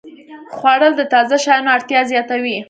خوړل د تازه شیانو اړتیا زیاتوي